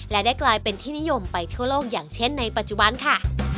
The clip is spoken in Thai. และได้กลายเป็นที่นิยมไปทั่วโลกอย่างเช่นในปัจจุบันค่ะ